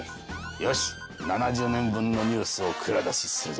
よし７０年分のニュースを蔵出しするぞ。